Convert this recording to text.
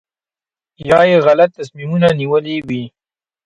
یا یې غلط تصمیمونه نیولي وي.